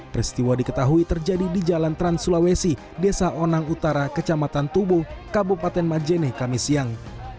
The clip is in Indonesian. peristiwa diketahui terjadi di jalan trans sulawesi desa onang utara kecamatan tubo kabupaten majene kami siang